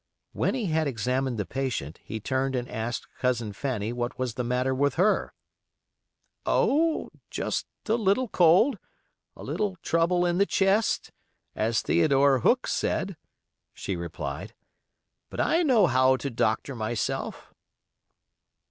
When he had examined the patient, he turned and asked Cousin Fanny what was the matter with her. "Oh, just a little cold, a little trouble in the chest, as Theodore Hook said," she replied. "But I know how to doctor myself."